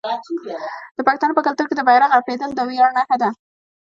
د پښتنو په کلتور کې د بیرغ رپیدل د ویاړ نښه ده.